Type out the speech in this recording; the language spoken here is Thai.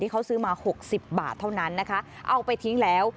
เขาซื้อมาหกสิบบาทเท่านั้นนะคะเอาไปทิ้งแล้ว